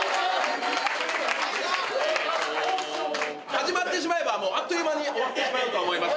始まってしまえば、もうあっという間に終わってしまうと思います。